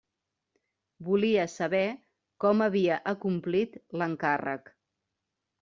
Volia saber com havia acomplit l'encàrrec.